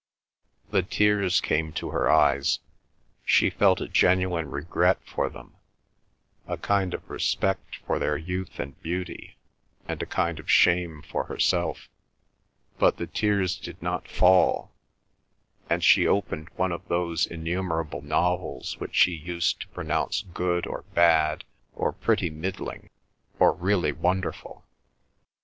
The tears came to her eyes; she felt a genuine regret for them, a kind of respect for their youth and beauty, and a kind of shame for herself; but the tears did not fall; and she opened one of those innumerable novels which she used to pronounce good or bad, or pretty middling, or really wonderful.